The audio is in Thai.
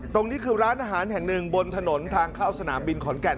ตรงนี้คือร้านอาหารแห่งหนึ่งบนถนนทางเข้าสนามบินขอนแก่น